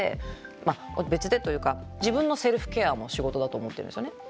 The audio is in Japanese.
まあ別でというか自分のセルフケアも仕事だと思ってるんですよね。